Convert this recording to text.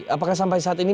apakah sampai saat ini